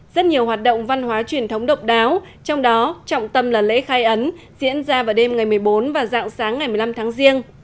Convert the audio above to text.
rất nhiều hoạt động văn hóa truyền thống độc đáo trong đó trọng tâm là lễ khai ấn diễn ra vào đêm ngày một mươi bốn và dạng sáng ngày một mươi năm tháng riêng